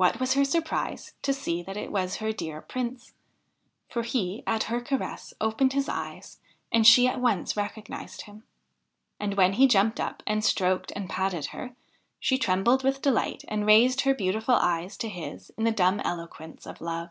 \Vhat was her surprise to see that it was her dear Prince ! for he, at her caress, opened his eyes, and she at once recognised him. And when he jumped up and stroked and patted her, she trembled with delight and raised her beautiful eyes to his in the dumb eloquence of love.